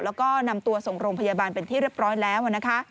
แล้วก็นำตัวส่งโรงพยาบาลเป็นที่เรียบร้อยแล้วนะคะ